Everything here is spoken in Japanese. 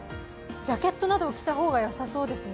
ジャケットなどを着た方がよさそうですね。